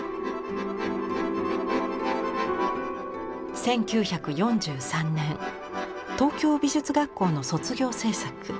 １９４３年東京美術学校の卒業制作。